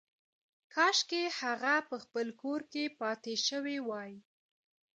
کاشکې هغه په خپل کور کې پاتې شوې وای